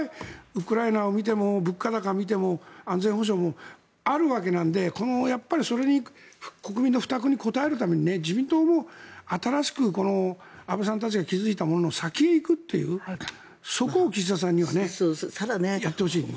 ウクライナを見ても物価高を見ても安全保障もあるわけなのでそれに国民の負託に応えるために自民党も新しく安倍さんたちが築いたものの先へ行くというそこを岸田さんにはねやってほしいね。